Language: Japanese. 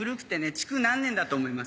築何年だと思いますか？